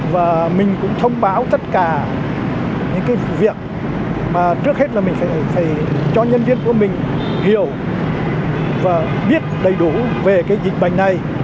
và mình cũng thông báo tất cả những cái vụ việc mà trước hết là mình phải cho nhân viên của mình hiểu và biết đầy đủ về cái dịch bệnh này